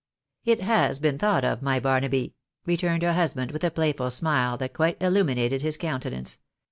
" It has been thought of, my Barnaby," returned her husband, with a playful smile that quite illuminated his countenance.